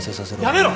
やめろ！